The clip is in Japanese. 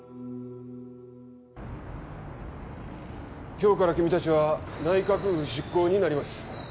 今日から君達は内閣府出向になります